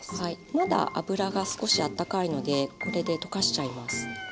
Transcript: まだ油が少しあったかいのでこれで溶かしちゃいます。